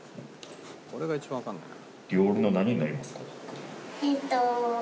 これが一番わかんないな。